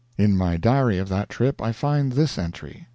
In my diary of that trip I find this entry.